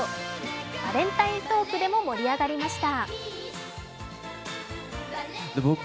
バレンタイントークでも盛り上がりました。